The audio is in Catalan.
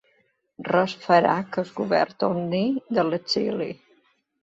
Res farà que el govern torni de l'exili